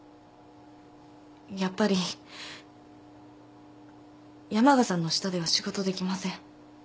やっぱり山賀さんの下では仕事できません。